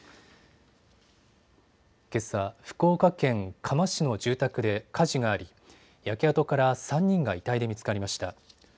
けさ、福岡県嘉麻市の住宅で火事があり焼け跡から３人が遺体で見つかりました。